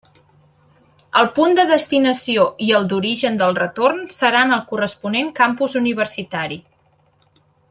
El punt de destinació i el d'origen del retorn seran el corresponent campus universitari.